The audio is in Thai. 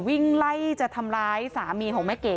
วิ่งไล่จะทำร้ายสามีของแม่เก๋